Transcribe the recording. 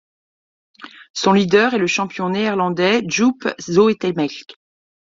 Son leader est le champion néerlandais Joop Zoetemelk.